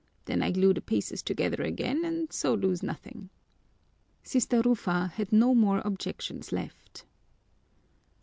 Then I glue the pieces together again and so lose nothing." Sister Rufa had no more objections left.